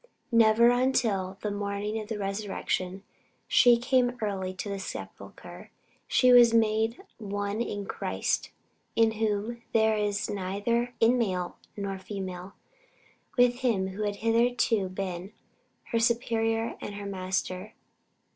Never until on the morning of the resurrection "she came early unto the sepulchre," was she made one in Christ Jesus (in whom "there is neither in male nor female") with him who had hitherto been her superior and her master.